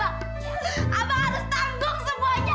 abang harus tanggung semuanya